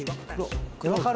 分かる？